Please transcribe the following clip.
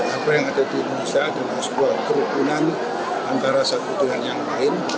apa yang ada di indonesia dengan sebuah kerukunan antara satu dengan yang lain